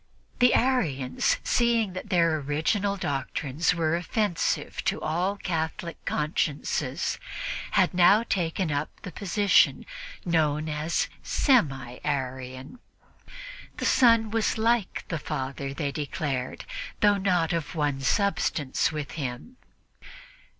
* The Arians, seeing that their original doctrines were offensive to all Catholic consciences, had now taken up the position known as "Semi Arian." The Son was like the Father, they declared, though not of one substance with Him.